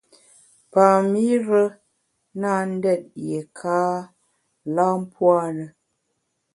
Pam-ire na ndét yiéka lam pua’ na.